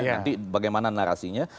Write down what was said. nanti bagaimana narasinya